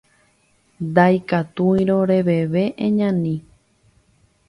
Ndaikatúirõ reveve, eñani